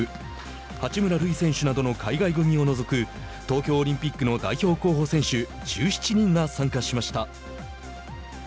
八村塁選手などの海外組を除く東京オリンピックの代表候補選手１７人が参加しました。